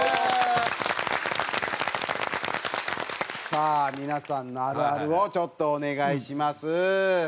さあ皆さんのあるあるをちょっとお願いします。